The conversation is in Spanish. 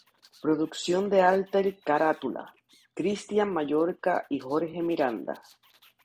Producción de arte carátula: Cristián Mayorga y Jorge Miranda.